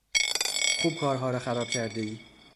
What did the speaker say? خوب کارها را خراب کردهای!